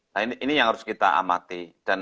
nah ini yang harus kita amati